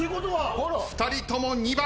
２人とも２番。